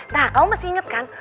nah kamu masih ingat kan